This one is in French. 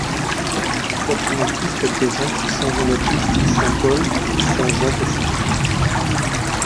Quatre motifs représentent Saint Jean-Baptiste, Saint-Paul, Saint-Jacques et Saint-Pierre.